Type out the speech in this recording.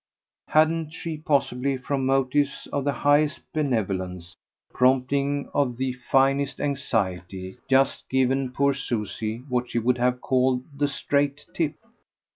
Hadn't she possibly, from motives of the highest benevolence, promptings of the finest anxiety, just given poor Susie what she would have called the straight tip?